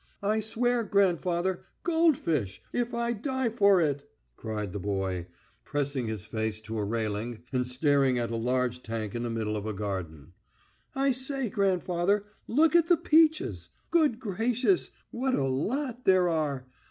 I swear, grandfather, goldfish, if I die for it!" cried the boy, pressing his face to a railing and staring at a large tank in the middle of a garden. "I say, grandfather, look at the peaches! Good gracious, what a lot there are.